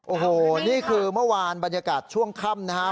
โอ้โหนี่คือเมื่อวานบรรยากาศช่วงค่ำนะครับ